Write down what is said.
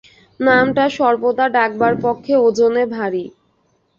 নামটা সর্বদা ডাকবার পক্ষে ওজনে ভারী।